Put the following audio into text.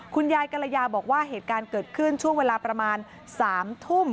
คุณยายกรยาบอกว่าเหตุการณ์เกิดขึ้นช่วงเวลาประมาณ๓ทุ่ม